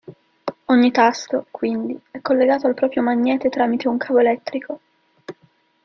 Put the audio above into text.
Ogni tasto quindi è collegato al proprio magnete tramite un cavo elettrico.